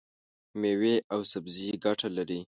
مېوې او سبزي ګټه لري.